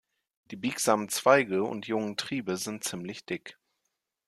Die biegsamen Zweige und jungen Triebe sind ziemlich dick.